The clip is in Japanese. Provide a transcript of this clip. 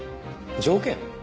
条件？